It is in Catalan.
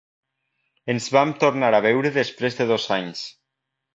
Ens vam tornar a veure després de dos anys.